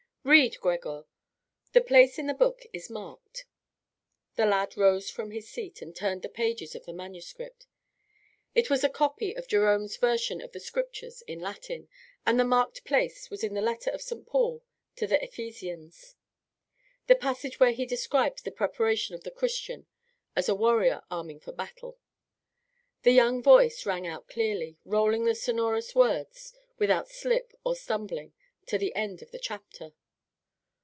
Read, Gregor; the place in the book is marked." The lad rose from his seat and turned the pages of the manuscript. It was a copy of Jerome's version of the Scriptures in Latin, and the marked place was in the letter of St. Paul to the Ephesians, the passage where he describes the preparation of the Christian as a warrior arming for battle. The young voice rang out clearly, rolling the sonorous words, without slip or stumbling, to the end of the chapter.